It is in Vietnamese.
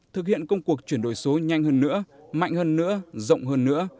thực hiện công cuộc chuyển đổi số nhanh hơn nữa mạnh hơn nữa rộng hơn nữa